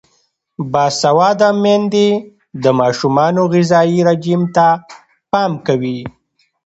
باسواده میندې د ماشومانو غذايي رژیم ته پام کوي.